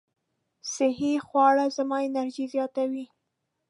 صحي خواړه زما انرژي زیاتوي.